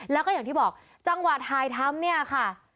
แล้วก็อย่างที่บอกจังหวะถ่ายทำเนี่ยค่ะ